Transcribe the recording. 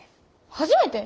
初めて？